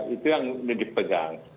itu yang sudah dipegang